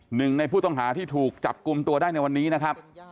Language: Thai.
หนึ่งในผู้ต้องหาที่ถูกจับกลุ่มตัวได้ในวันนี้นะครับ